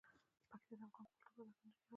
پکتیا د افغان کلتور په داستانونو کې راځي.